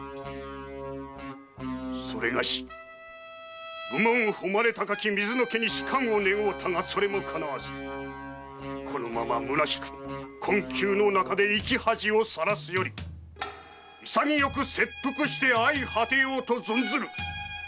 それがし武門の誉れ高き水野家に仕官を願うたがそれも叶わずこのまま虚しく困窮の中で生き恥を晒すより潔く切腹して相果てようと存ずる！